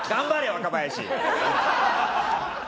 若林。